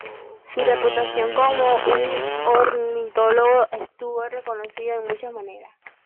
Su reputación como un ornitólogo estuvo reconocido en muchas maneras.